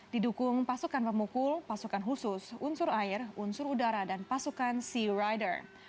didukung pasukan pemukul pasukan khusus unsur air unsur udara dan pasukan sea rider